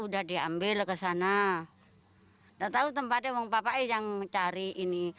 nah gak tahu tempatnya orang papai yang mencari ini